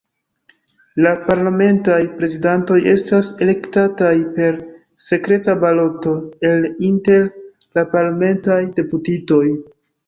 La parlamentaj prezidantoj estas elektataj per sekreta baloto el inter la parlamentaj deputitoj.